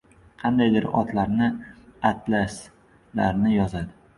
— Qandaydir otlarni, atlaslarni yozadi.